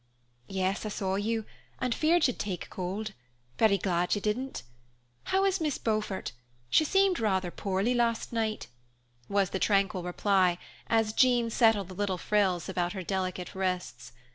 '" "Yes, I saw you, and feared you'd take cold. Very glad you didn't. How is Miss Beaufort? She seemed rather poorly last night" was the tranquil reply, as Jean settled the little frills about her delicate wrists.